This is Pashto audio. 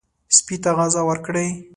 سپي ته غذا ورکړئ.